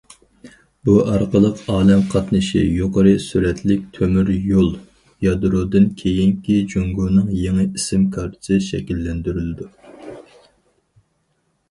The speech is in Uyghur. بۇ ئارقىلىق ئالەم قاتنىشى، يۇقىرى سۈرئەتلىك تۆمۈريول، يادرودىن كېيىنكى جۇڭگونىڭ يېڭى ئىسىم كارتىسى شەكىللەندۈرۈلىدۇ.